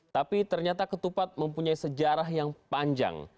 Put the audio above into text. tapi ternyata ketupat mempunyai sejarah yang panjang